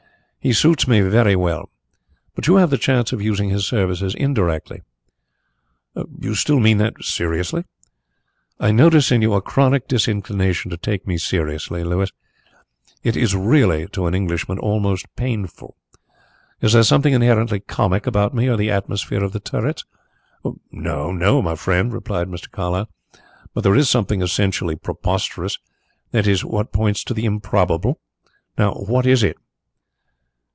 "He suits me very well. But you have the chance of using his services indirectly." "You still mean that seriously?" "I notice in you a chronic disinclination to take me seriously, Louis. It is really to an Englishman almost painful. Is there something inherently comic about me or the atmosphere of The Turrets?" "No, my friend," replied Mr. Carlyle, "but there is something essentially prosperous. That is what points to the improbable. Now what is it?"